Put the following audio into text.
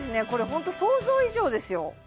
これホント想像以上ですよ